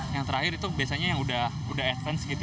yang terakhir itu biasanya yang udah advance gitu